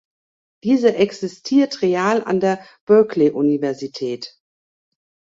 Dieser existiert real an der Berkeley-Universität.